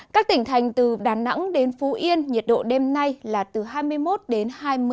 các tỉnh thành từ đà nẵng đến phú yên nhiệt độ đêm nay là từ hai mươi một đến hai mươi độ